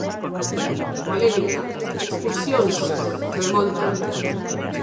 Polémica, expulsións, remonta.